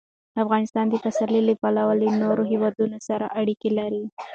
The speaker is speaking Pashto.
افغانستان د پسرلی له پلوه له نورو هېوادونو سره اړیکې لري.